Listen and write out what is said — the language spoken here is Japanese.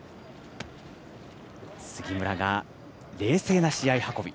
杉村が冷静な試合運び。